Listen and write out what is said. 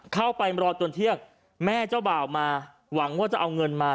เข้าไปรอจนเที่ยงแม่เจ้าบ่าวมาหวังว่าจะเอาเงินมา